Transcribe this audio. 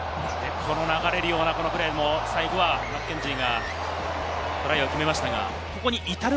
流れるようなプレーも最後はマッケンジーがトライを決めました。